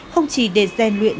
không chỉ để dàn luyện